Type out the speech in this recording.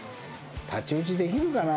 太刀打ちできるかな？